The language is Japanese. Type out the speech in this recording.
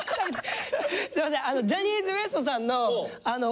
すいません。